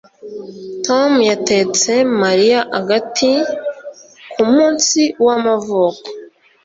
Tom yatetse Mariya agati kumunsi wamavuko